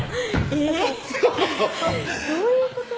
えぇっどういうこと？